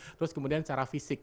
terus kemudian secara fisik